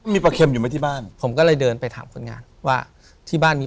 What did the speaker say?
มีปลาเค็มอยู่ไหมที่บ้าน